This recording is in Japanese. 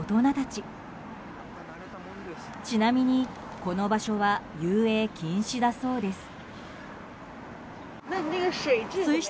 ちなみに、この場所は遊泳禁止だそうです。